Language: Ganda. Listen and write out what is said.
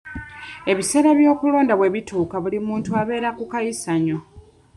Ebiseera by'okulonda bwe bituuka buli muntu abeera ku kayisanyo.